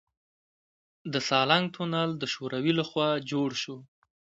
د سالنګ تونل د شوروي لخوا جوړ شو